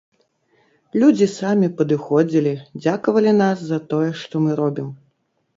Людзі самі падыходзілі, дзякавалі нас за тое, што мы робім.